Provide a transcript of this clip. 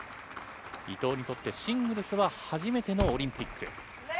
伊藤にとってシングルスは初めてのオリンピック。